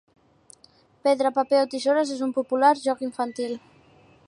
Pedra, paper o tisores és un popular joc infantil.